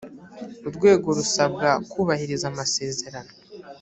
urwego rusabwa kubahiriza amasezerano